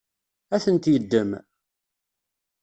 Ad tent-yeddem?